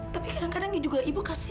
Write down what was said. tapi kadang kadang juga ibu kasih